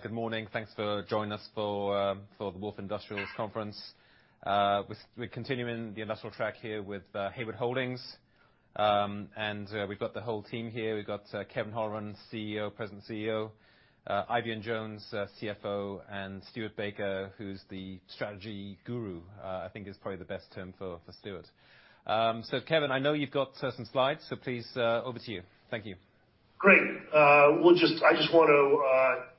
Good morning. Thanks for joining us for the Wolfe Industrial Conference. We're continuing the industrial track here with Hayward Holdings. We've got the whole team here. We've got Kevin Holleran, President and CEO, Eifion Jones, CFO, and Stuart Baker, who's the strategy guru. I think is probably the best term for Stuart. Kevin, I know you've got some slides, so please, over to you. Thank you. Great. I just want to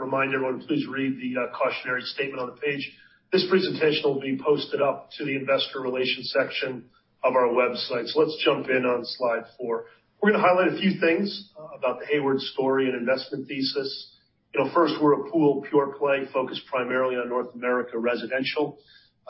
remind everyone to please read the cautionary statement on the page. This presentation will be posted up to the investor relations section of our website. Let's jump in on slide four. We're gonna highlight a few things about the Hayward story and investment thesis. You know, first, we're a pool pure-play focused primarily on North America residential.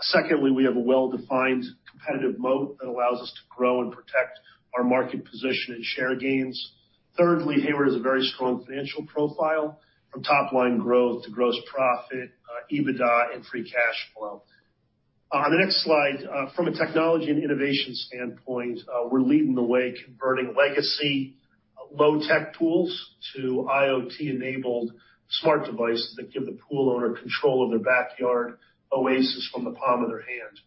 Secondly, we have a well-defined competitive moat that allows us to grow and protect our market position and share gains. Thirdly, Hayward has a very strong financial profile from top-line growth to gross profit, EBITDA and free cash flow. On the next slide, from a technology and innovation standpoint, we're leading the way converting legacy low-tech tools to IoT-enabled smart devices that give the pool owner control of their backyard oasis from the palm of their hand.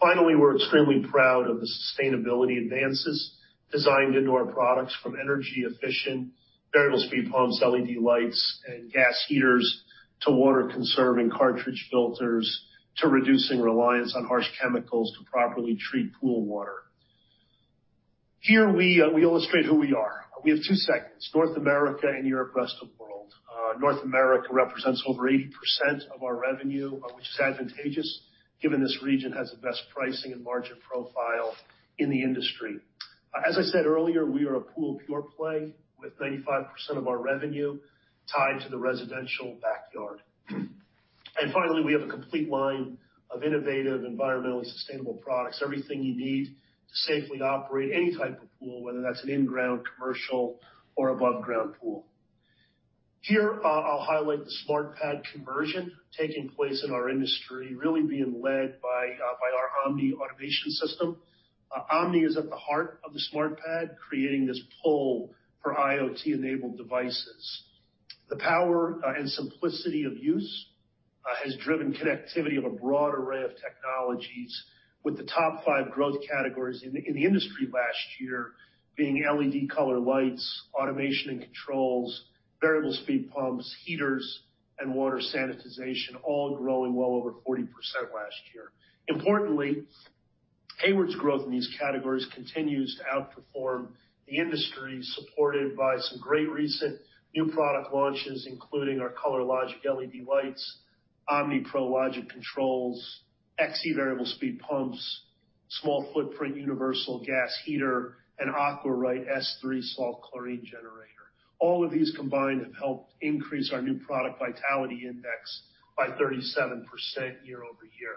Finally, we're extremely proud of the sustainability advances designed into our products from energy efficient, variable speed pumps, LED lights and gas heaters, to water-conserving cartridge filters, to reducing reliance on harsh chemicals to properly treat pool water. Here we illustrate who we are. We have two segments, North America and Europe, Rest of World. North America represents over 80% of our revenue, which is advantageous given this region has the best pricing and margin profile in the industry. As I said earlier, we are a pool pure-play with 95% of our revenue tied to the residential backyard. Finally, we have a complete line of innovative, environmentally sustainable products, everything you need to safely operate any type of pool, whether that's an in-ground commercial or above-ground pool. Here, I'll highlight the SmartPad conversion taking place in our industry, really being led by our Omni automation system. Omni is at the heart of the SmartPad, creating this pull for IoT-enabled devices. The power and simplicity of use has driven connectivity of a broad array of technologies with the top five growth categories in the industry last year being LED color lights, automation and controls, variable speed pumps, heaters, and water sanitization, all growing well over 40% last year. Importantly, Hayward's growth in these categories continues to outperform the industry, supported by some great recent new product launches, including our ColorLogic LED lights, OmniPL Logic Controls, XE variable-speed pumps, small-footprint universal gas heater, and AquaRite S3 salt chlorine generator. All of these combined have helped increase our new product vitality index by 37% year-over-year.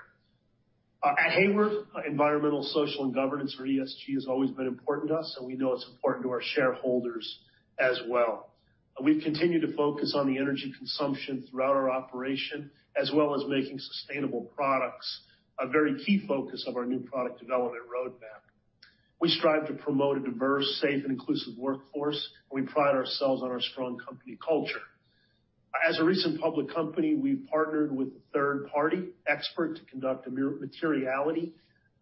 At Hayward, environmental, social and governance or ESG, has always been important to us, and we know it's important to our shareholders as well. We've continued to focus on the energy consumption throughout our operation, as well as making sustainable products a very key focus of our new product development roadmap. We strive to promote a diverse, safe, and inclusive workforce, and we pride ourselves on our strong company culture. As a recent public company, we've partnered with a third-party expert to conduct a materiality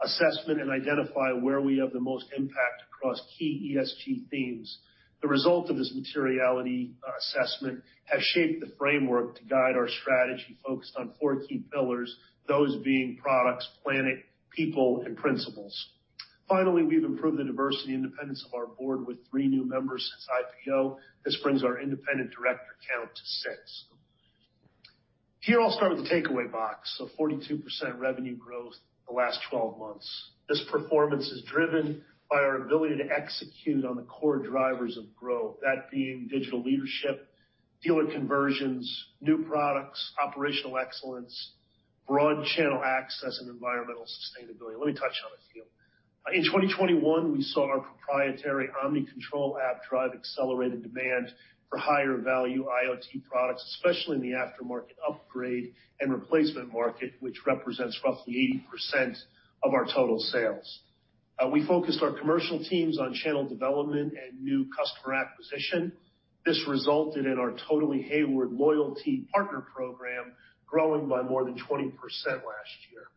assessment and identify where we have the most impact across key ESG themes. The result of this materiality assessment has shaped the framework to guide our strategy focused on 4 key pillars, those being products, planet, people, and principles. Finally, we've improved the diversity independence of our board with three new members since IPO. This brings our independent director count to six. Here, I'll start with the takeaway box: 42% revenue growth the last 12 months. This performance is driven by our ability to execute on the core drivers of growth, that being digital leadership, dealer conversions, new products, operational excellence, broad channel access, and environmental sustainability. Let me touch on a few. In 2021, we saw our proprietary Omni control app drive accelerated demand for higher value IoT products, especially in the aftermarket upgrade and replacement market, which represents roughly 80% of our total sales. We focused our commercial teams on channel development and new customer acquisition. This resulted in our Totally Hayward loyalty partner programme growing by more than 20% last year.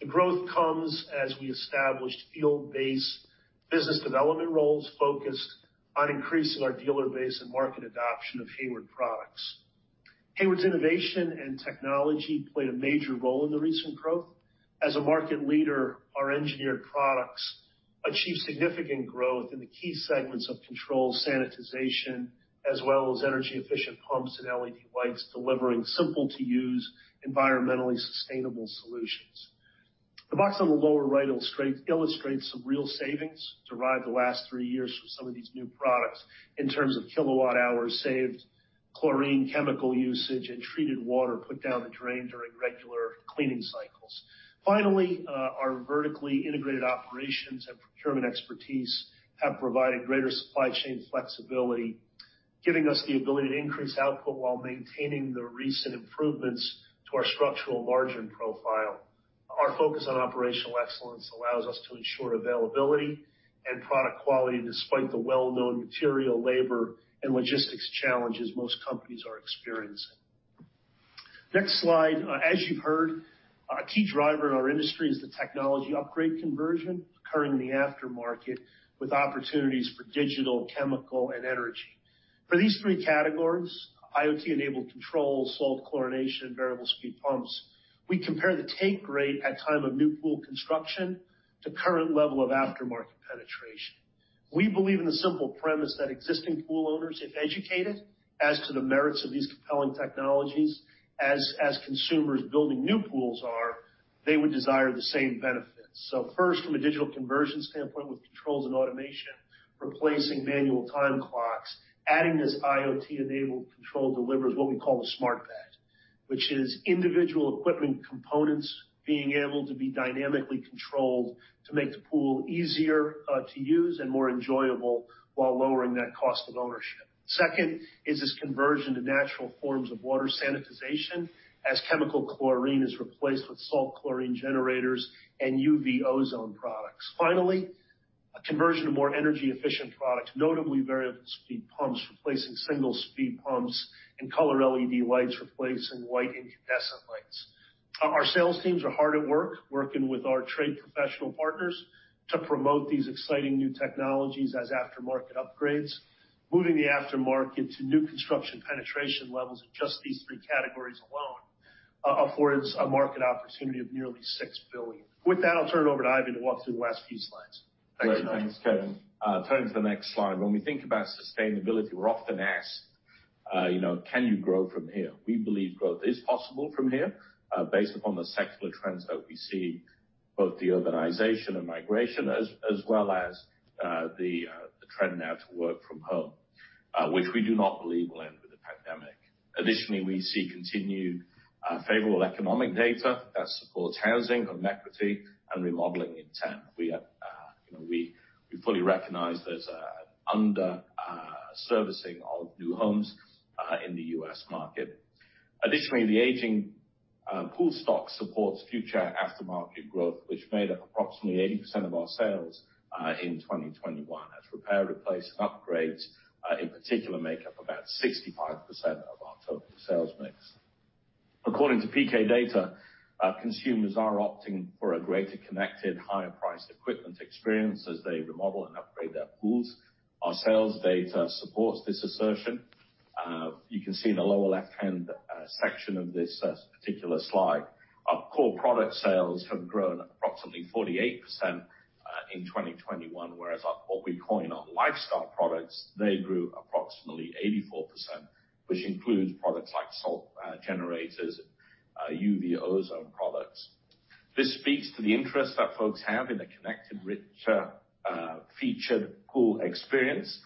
The growth comes as we established field-based business development roles focused on increasing our dealer base and market adoption of Hayward products. Hayward's innovation and technology played a major role in the recent growth. As a market leader, our engineered products achieved significant growth in the key segments of control sanitization, as well as energy-efficient pumps and LED lights, delivering simple to use, environmentally sustainable solutions. The box on the lower right illustrates some real savings derived over the last three years from some of these new products in terms of kilowatt-hours saved, chlorine chemical usage, and treated water put down the drain during regular cleaning cycles. Finally, our vertically integrated operations and procurement expertise have provided greater supply chain flexibility, giving us the ability to increase output while maintaining the recent improvements to our structural margin profile. Our focus on operational excellence allows us to ensure availability and product quality despite the well-known material, labor, and logistics challenges most companies are experiencing. Next slide. As you've heard, a key driver in our industry is the technology upgrade conversion occurring in the aftermarket with opportunities for digital, chemical, and energy. For these three categories, IoT-enabled control, salt chlorination, variable speed pumps. We compare the take rate at time of new pool construction to current level of aftermarket penetration. We believe in the simple premise that existing pool owners, if educated as to the merits of these compelling technologies as consumers building new pools are, they would desire the same benefits. First, from a digital conversion standpoint, with controls and automation replacing manual time clocks, adding this IoT-enabled control delivers what we call the SmartPad, which is individual equipment components being able to be dynamically controlled to make the pool easier to use and more enjoyable while lowering that cost of ownership. Second is this conversion to natural forms of water sanitization as chemical chlorine is replaced with salt chlorine generators and UV ozone products. Finally, a conversion to more energy-efficient products, notably variable speed pumps replacing single-speed pumps and color LED lights replacing white incandescent lights. Our sales teams are hard at work, working with our trade professional partners to promote these exciting new technologies as aftermarket upgrades. Moving the aftermarket to new-construction penetration levels in just these three categories alone affords a market opportunity of nearly $6 billion. With that, I'll turn it over to Eifion Jones to walk through the last few slides. Thanks. Great. Thanks, Kevin. Turning to the next slide. When we think about sustainability, we're often asked, you know, "Can you grow from here?" We believe growth is possible from here, based upon the secular trends that we see, both the urbanization and migration, as well as the trend now to work from home, which we do not believe will end with the pandemic. Additionally, we see continued favorable economic data that supports housing, home equity, and remodeling intent. You know, we fully recognize there's an underservicing of new homes in the U.S. market. Additionally, the aging pool stock supports future aftermarket growth, which made up approximately 80% of our sales in 2021 as repair, replace and upgrades in particular make up about 65% of our total sales mix. According to PK Data, consumers are opting for a greater connected, higher-priced equipment experience as they remodel and upgrade their pools. Our sales data supports this assertion. You can see in the lower left-hand section of this particular slide, our core product sales have grown approximately 48% in 2021, whereas what we call our lifestyle products, they grew approximately 84%, which includes products like salt generators, UV ozone products. This speaks to the interest that folks have in the connected, richer featured pool experience,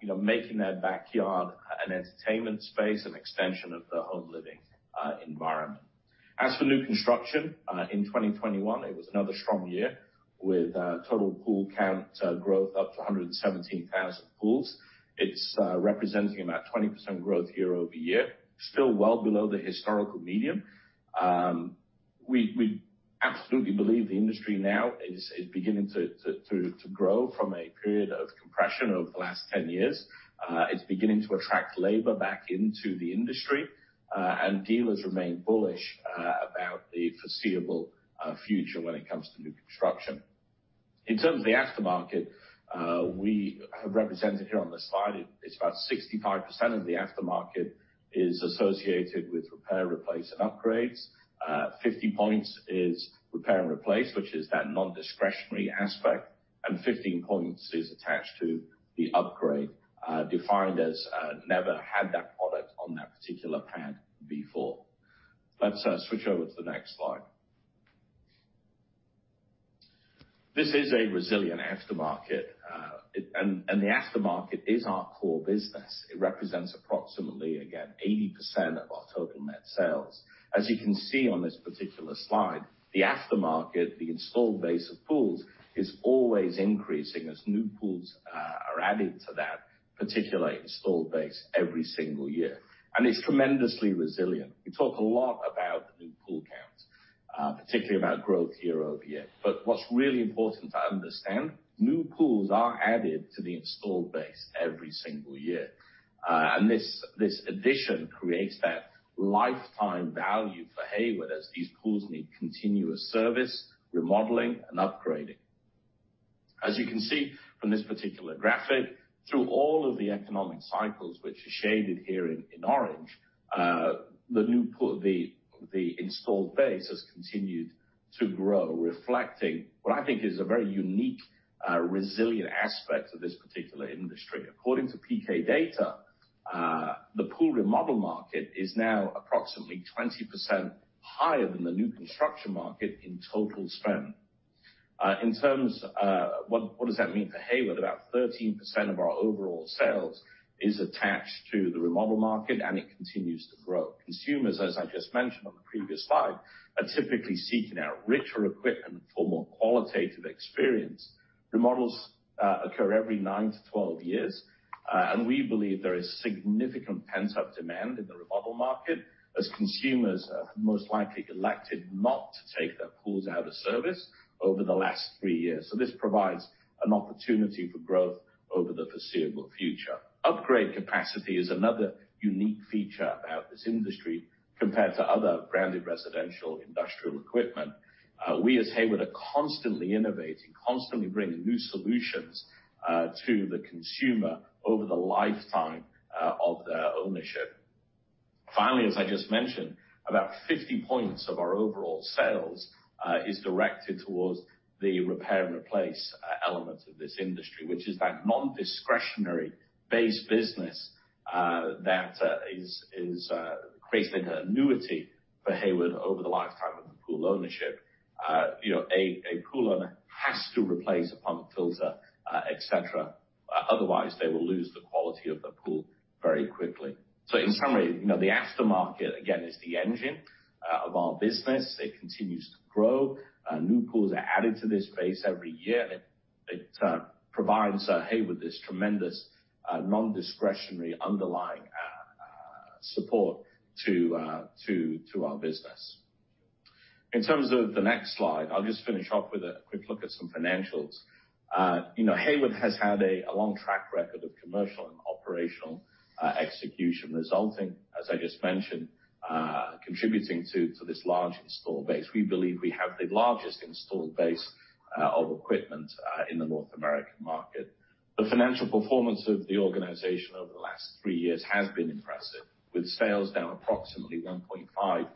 you know, making their backyard an entertainment space, an extension of their home living environment. As for new construction, in 2021, it was another strong year with total pool count growth up to 117,000 pools. It's representing about 20% growth year-over-year, still well below the historical median. We absolutely believe the industry now is beginning to grow from a period of compression over the last 10 years. It's beginning to attract labor back into the industry, and dealers remain bullish about the foreseeable future when it comes to new construction. In terms of the aftermarket, we have represented here on this slide, it's about 65% of the aftermarket is associated with repair, replace, and upgrades. 50 points is repair and replace, which is that non-discretionary aspect, and 15 points is attached to the upgrade, defined as never had that product on that particular pad before. Let's switch over to the next slide. This is a resilient aftermarket. The aftermarket is our core business. It represents approximately, again, 80% of our total net sales. As you can see on this particular slide, the aftermarket, the installed base of pools, is always increasing as new pools are added to that particular installed base every single year. It's tremendously resilient. We talk a lot about the new pool counts, particularly about growth year-over-year. What's really important to understand, new pools are added to the installed base every single year. This addition creates that lifetime value for Hayward as these pools need continuous service, remodeling, and upgrading. As you can see from this particular graphic, through all of the economic cycles, which are shaded here in orange, the installed base has continued to grow, reflecting what I think is a very unique resilient aspect of this particular industry. According to P.K. Data, the pool remodel market is now approximately 20% higher than the new construction market in total spend. What does that mean for Hayward? About 13% of our overall sales is attached to the remodel market, and it continues to grow. Consumers, as I just mentioned on the previous slide, are typically seeking out richer equipment for more qualitative experience. Remodels occur every 9–12 years, and we believe there is significant pent-up demand in the remodel market, as consumers have most likely elected not to take their pools out of service over the last 3 years. This provides an opportunity for growth over the foreseeable future. Upgrade capacity is another unique feature about this industry compared to other branded residential industrial equipment. We as Hayward are constantly innovating, constantly bringing new solutions to the consumer over the lifetime of their ownership. Finally, as I just mentioned, about 50 points of our overall sales is directed towards the repair and replace elements of this industry, which is that non-discretionary based business that creates like an annuity for Hayward over the lifetime of the pool ownership. You know, a pool owner has to replace a pump, filter, et cetera, otherwise they will lose the quality of their pool very quickly. In summary, you know, the aftermarket, again, is the engine of our business. It continues to grow. New pools are added to this base every year, and it provides Hayward this tremendous non-discretionary underlying support to our business. In terms of the next slide, I'll just finish up with a quick look at some financials. You know, Hayward has had a long track record of commercial and operational execution, resulting, as I just mentioned, contributing to this large installed base. We believe we have the largest installed base of equipment in the North American market. The financial performance of the organization over the last three years has been impressive, with sales now approximately $1.5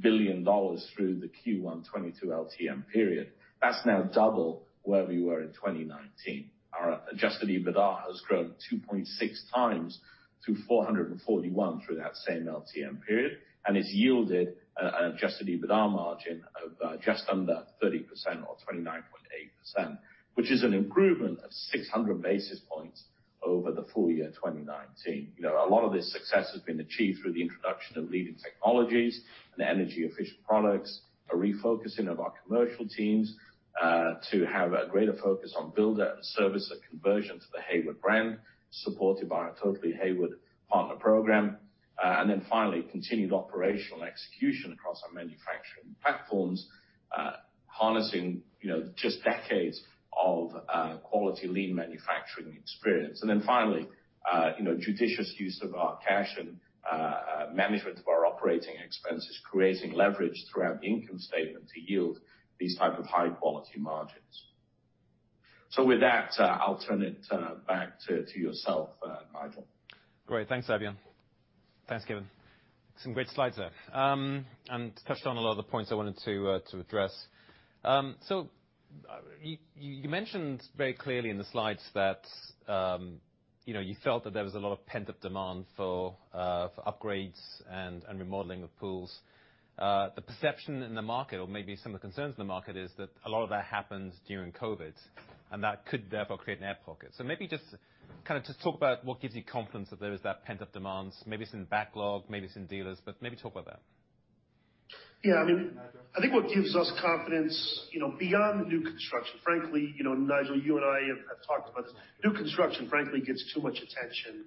billion through the Q1 2022 LTM period. That's now double where we were in 2019. Our adjusted EBITDA has grown 2.6x to $441 through that same LTM period, and it's yielded an adjusted EBITDA margin of just under 30% or 29.8%, which is an improvement of 600 basis points over the full year 2019. You know, a lot of this success has been achieved through the introduction of leading technologies and energy-efficient products, a refocusing of our commercial teams to have a greater focus on builder and servicer conversion to the Hayward brand, supported by our Totally Hayward partner programme, and then finally, continued operational execution across our manufacturing platforms, harnessing you know, just decades of quality lean manufacturing experience. Then finally, you know, judicious use of our cash and management of our operating expenses, creating leverage throughout the income statement to yield these type of high-quality margins. With that, I'll turn it back to yourself, Nigel. Great. Thanks, Eifion. Thanks, Kevin. Some great slides there. Touched on a lot of the points I wanted to address. You mentioned very clearly in the slides that, you know, you felt that there was a lot of pent-up demand for upgrades and remodeling of pools. The perception in the market, or maybe some of the concerns in the market is that a lot of that happened during COVID, and that could therefore create an air pocket. Maybe just kinda talk about what gives you confidence that there is that pent-up demand. Maybe it's in backlog, maybe it's in dealers, but maybe talk about that. Yeah. I mean, I think what gives us confidence, you know, beyond new construction, frankly, you know, Nigel, you and I have talked about this. New construction, frankly, gets too much attention.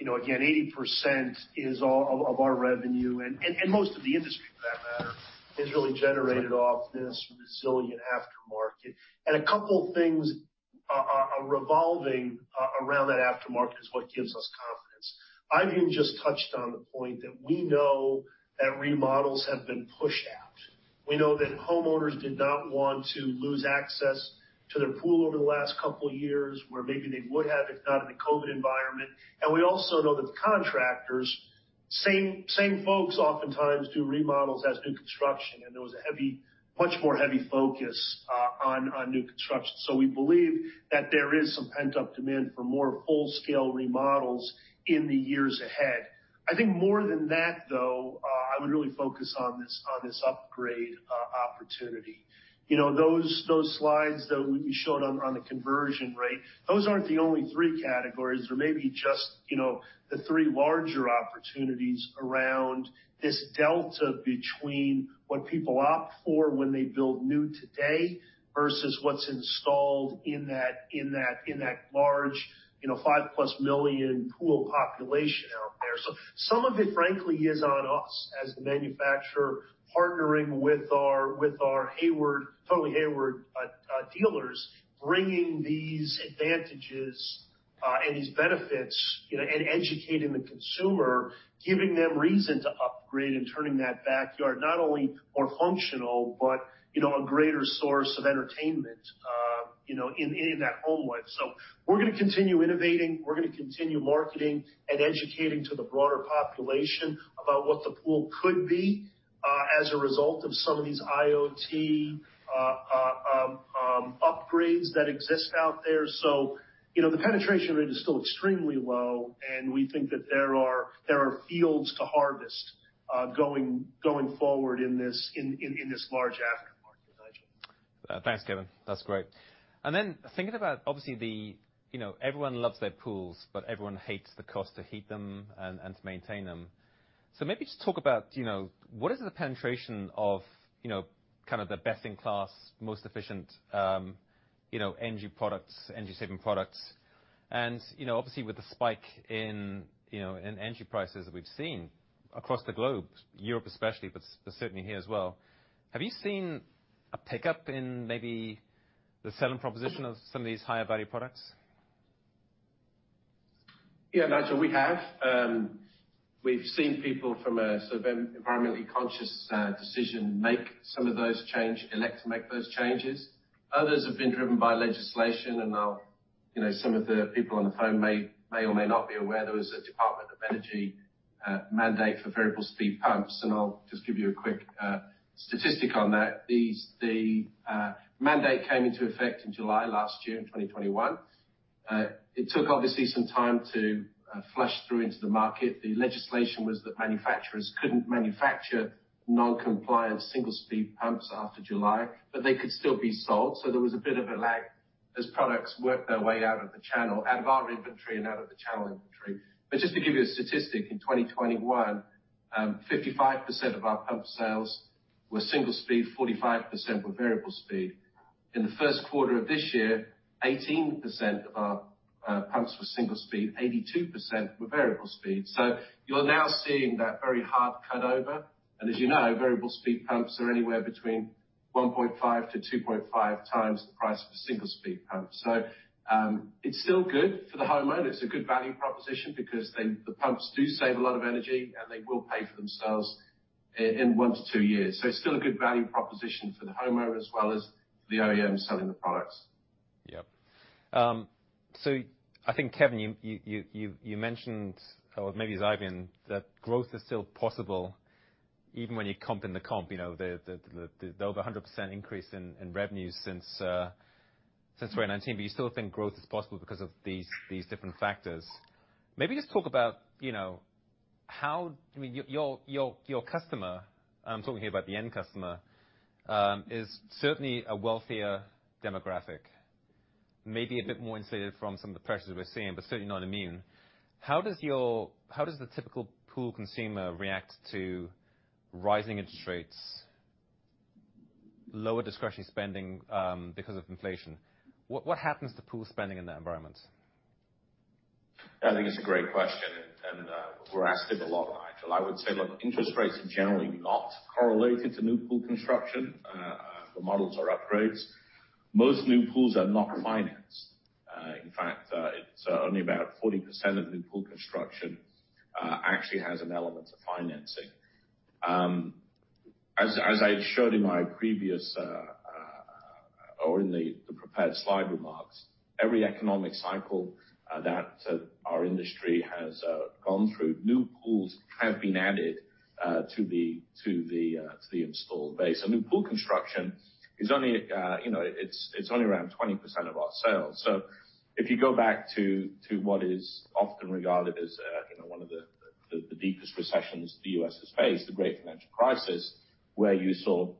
You know, again, 80% is all of our revenue, and most of the industry for that matter, is really generated off this resilient aftermarket. A couple things are revolving around that aftermarket is what gives us confidence. I even just touched on the point that we know that remodels have been pushed out. We know that homeowners did not want to lose access to their pool over the last couple years, where maybe they would have if not in a COVID environment. We also know that the contractors, same folks oftentimes do remodels as new construction, and there was a heavy, much more heavy focus, on new construction. We believe that there is some pent-up demand for more full-scale remodels in the years ahead. I think more than that though, I would really focus on this upgrade opportunity. Those slides that we showed on the conversion rate, those aren't the only three categories. They may be just the three larger opportunities around this delta between what people opt for when they build new today versus what's installed in that large five-plus million pool population out there. Some of it, frankly, is on us as the manufacturer partnering with our Hayward, Totally Hayward dealers, bringing these advantages and these benefits, you know, and educating the consumer, giving them reason to upgrade and turning that backyard not only more functional, but, you know, a greater source of entertainment in that home life. We're gonna continue innovating. We're gonna continue marketing and educating to the broader population about what the pool could be as a result of some of these IoT upgrades that exist out there. The penetration rate is still extremely low, and we think that there are fields to harvest going forward in this large aftermarket, Nigel. Thanks, Kevin. That's great. Thinking about obviously. You know, everyone loves their pools, but everyone hates the cost to heat them and to maintain them. Maybe just talk about, you know, what is the penetration of, you know, kind of the best in class, most efficient, energy products, energy-saving products. You know, obviously with the spike in, you know, in energy prices that we've seen across the globe, Europe especially, but certainly here as well. Have you seen a pickup in maybe the selling proposition of some of these higher value products? Yeah, Nigel, we have. We've seen people from a sort of environmentally conscious decisions to make some of those changes, elect to make those changes. Others have been driven by legislation. You know, some of the people on the phone may or may not be aware there was a Department of Energy mandate for variable speed pumps. I'll just give you a quick statistic on that. The mandate came into effect in July last year, in 2021. It took obviously some time to flush through into the market. The legislation was that manufacturers couldn't manufacture non-compliant single-speed pumps after July, but they could still be sold. There was a bit of a lag as products worked their way out of the channel, out of our inventory and out of the channel inventory. Just to give you a statistic, in 2021, 55% of our pump sales were single speed, 45% were variable-speed. In the first quarter of this year, 18% of our pumps were single speed, 82% were variable-speed. You're now seeing that very hard cut-over. As you know, variable speed pumps are anywhere between 1.5x–2.5x the price of a single-speed pump. It's still good for the homeowner. It's a good value proposition because they, the pumps do save a lot of energy, and they will pay for themselves in one to two years. It's still a good value proposition for the homeowner as well as the OEM selling the products. Yep. I think, Kevin, you mentioned, or maybe it's Eifion, that growth is still possible even when you comp in the comp, you know, the over 100% increase in revenue since 2019, but you still think growth is possible because of these different factors. Maybe just talk about, you know, how—I mean, your customer, I'm talking here about the end customer, is certainly a wealthier demographic, maybe a bit more insulated from some of the pressures we're seeing, but certainly not immune. How does the typical pool consumer react to rising interest rates, lower discretionary spending because of inflation? What happens to pool spending in that environment? I think it's a great question, and we're asked it a lot, Nigel. I would say, look, interest rates are generally not correlated to new pool construction for remodels or upgrades. Most new pools are not financed. In fact, it's only about 40% of new pool construction actually has an element of financing. As I showed in my previous or in the prepared slide remarks, every economic cycle that our industry has gone through, new pools have been added to the installed base. New pool construction is only around 20% of our sales. If you go back to what is often regarded as one of the deepest recessions the U.S. has faced, the great financial crisis, where you saw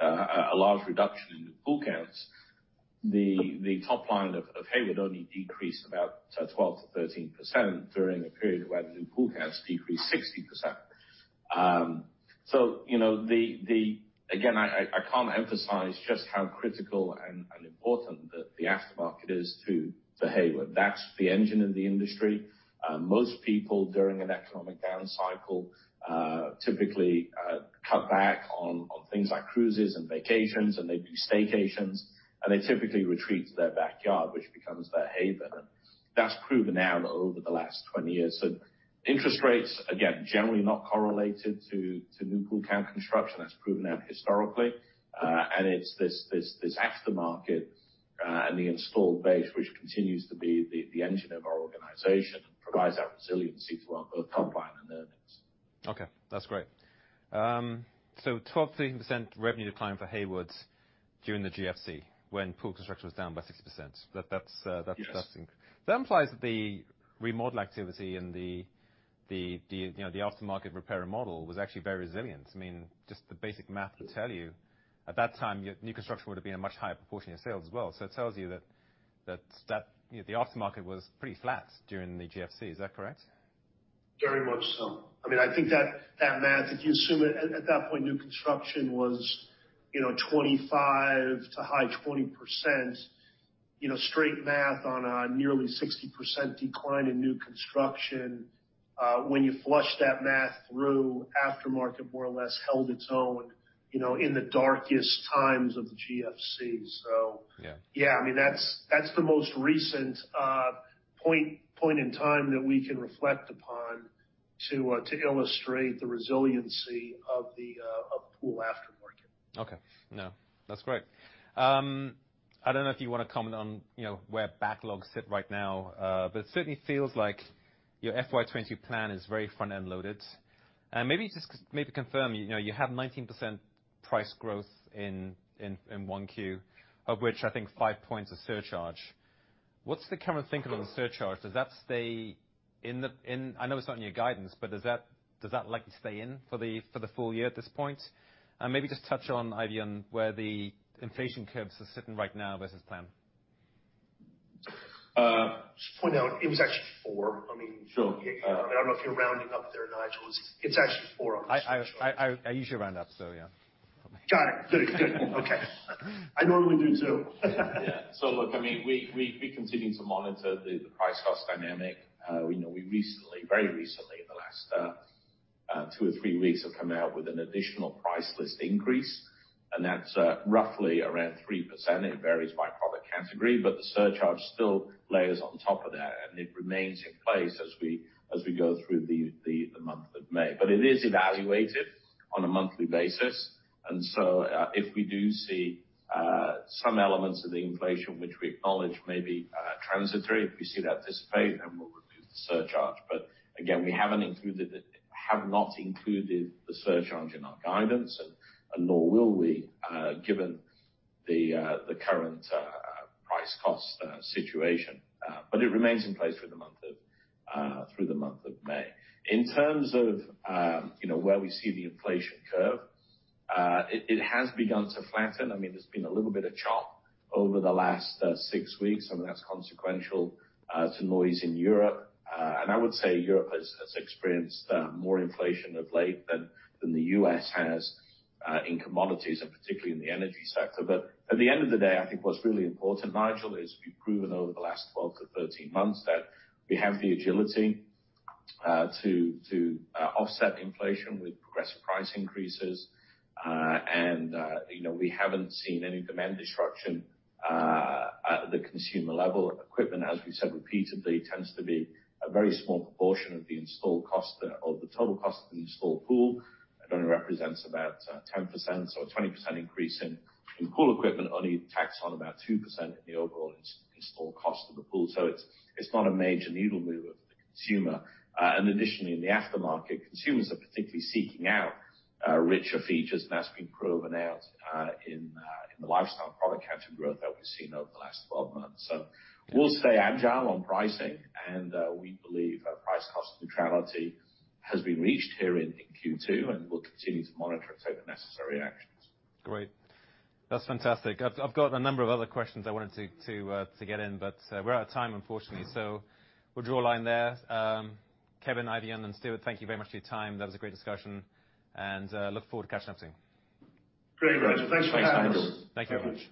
a large reduction in new pool counts, the top line of Hayward only decreased about 12%–13% during a period where the new pool counts decreased 60%. Again, I can't emphasize just how critical and important the aftermarket is to Hayward. That's the engine in the industry. Most people during an economic down cycle typically cut back on things like cruises and vacations, and they do staycations, and they typically retreat to their backyard, which becomes their haven. That's proven out over the last 20 years. Interest rates, again, generally not correlated to new pool count construction. That's proven out historically. It's this aftermarket and the installed base, which continues to be the engine of our organization and provides that resiliency to our both top line and earnings. Okay, that's great. 12–13% revenue decline for Hayward during the GFC when pool construction was down by 60%. That's- Yes. That implies that the remodel activity and, you know, the aftermarket repair model was actually very resilient. I mean, just the basic math will tell you at that time, new construction would have been a much higher proportion of sales as well. It tells you that, you know, the aftermarket was pretty flat during the GFC. Is that correct? Very much so. I mean, I think that math, if you assume at that point, new construction was, you know, 25 to high 20 percent, you know, straight math on a nearly 60 percent decline in new construction, when you flush that math through aftermarket more or less held its own, you know, in the darkest times of the GFC. Yeah. Yeah, I mean, that's the most recent point in time that we can reflect upon to illustrate the resiliency of the pool aftermarket. Okay. No, that's great. I don't know if you wanna comment on, you know, where backlogs sit right now, but it certainly feels like your FY 2022 plan is very front-end loaded. Maybe just, maybe confirm, you know, you have 19% price growth in 1Q, of which I think 5 points are surcharge. What's the current thinking on the surcharge? Does that stay in the. I know it's not in your guidance, but does that likely stay in for the full year at this point? Maybe just touch on, Eifion, on where the inflation curves are sitting right now versus plan. Just to point out, it was actually four. Sure. I mean, I don't know if you're rounding up there, Nigel. It's actually 4 on the surcharge. I usually round up, so yeah. Got it. Good. Okay. I normally do too. Yeah. Look, I mean, we continue to monitor the price-cost dynamic. We know we recently, very recently, in the last two or three weeks, have come out with an additional price list increase, and that's roughly around 3%. It varies by product category, but the surcharge still layers on top of that, and it remains in place as we go through the month of May. It is evaluated on a monthly basis. If we do see some elements of the inflation which we acknowledge may be transitory, if we see that dissipate, then we'll remove the surcharge. Again, we have not included the surcharge in our guidance, and nor will we, given the current price-cost situation. It remains in place through the month of May. In terms of, you know, where we see the inflation curve, it has begun to flatten. I mean, there's been a little bit of chop over the last six weeks, and that's consequential to noise in Europe. I would say Europe has experienced more inflation of late than the U.S. has in commodities and particularly in the energy sector. At the end of the day, I think what's really important, Nigel, is we've proven over the last 12–13 months that we have the agility to offset inflation with progressive price increases. You know, we haven't seen any demand disruption at the consumer level. Equipment, as we said repeatedly, tends to be a very small proportion of the installed cost or the total cost of the installed pool. It only represents about 10%. A 20% increase in pool equipment only tacks on about 2% in the overall install cost of the pool. It's not a major needle-mover for the consumer. Additionally, in the aftermarket, consumers are particularly seeking out richer features, and that's been proven out in the lifestyle product category growth that we've seen over the last 12 months. We'll stay agile on pricing, and we believe that price cost neutrality has been reached here in Q2, and we'll continue to monitor and take the necessary actions. Great. That's fantastic. I've got a number of other questions I wanted to get in, but we're out of time, unfortunately. We'll draw a line there. Kevin, Eifion, and Stuart, thank you very much for your time. That was a great discussion and look forward to catching up soon. Great, Nigel. Thanks for having us. Thanks, guys. Thank you very much.